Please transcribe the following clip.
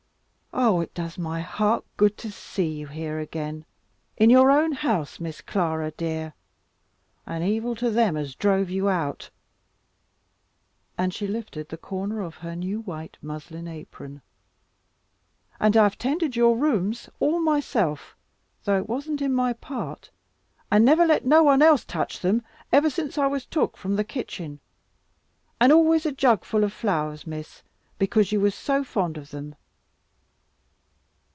Oh it does my heart good to see you here again, in your own house, Miss Clara dear, and evil to them as drove you out" and she lifted the corner of her new white muslin apron; "and I have tended your rooms all myself, though it wasn't in my part, and never let no one else touch them, ever since I was took from the kitchen, and always a jug full of flowers, Miss, because you was so fond of them."